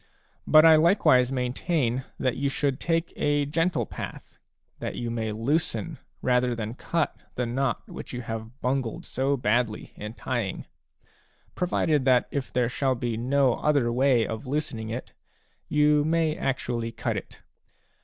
But I likewise maintain that you should take a gentle path, that you may loosen rather than cut the knot which you have bungled so badly in tying, — provided that if there shall be no other way of loosening it, you may actually cut it.